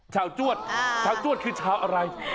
ชาวจวดชาวจวดคือชาวอะไร